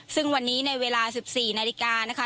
ซึ่งวันนี้ในเวลา๑๔๐๐นนะคะ